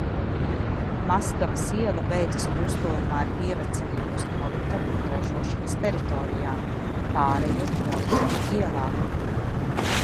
Maskavas iela beidzas krustojumā ar pievedceļiem uz noliktavu un ražošanas teritorijām, pārejot Noliktavu ielā.